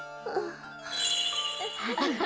ああ。